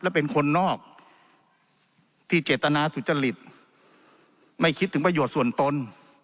และเป็นคนนอกที่เจตนาสุจริตไม่คิดถึงประโยชน์ส่วนตน